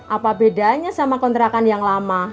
apa bedanya sama kontrakan yang lama